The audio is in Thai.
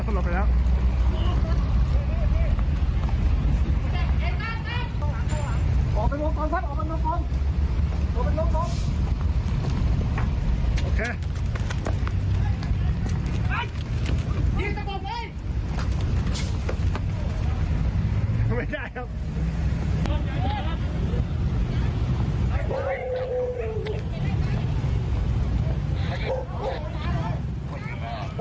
ไม่ได้ครับ